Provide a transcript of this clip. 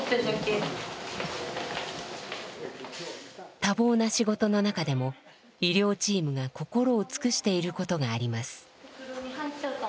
多忙な仕事の中でも医療チームが心を尽くしていることがあります。